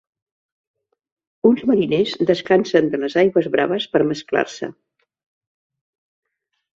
Uns mariners descansen de les aigües braves per mesclar-se.